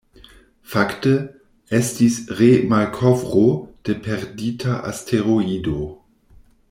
Fakte, estis re-malkovro de perdita asteroido.